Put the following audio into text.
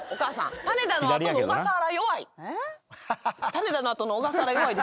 種田の後の小笠原弱い。